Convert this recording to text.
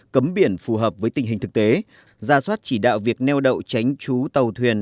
cấm biển phù hợp với tình hình thực tế ra soát chỉ đạo việc neo đậu tránh trú tàu thuyền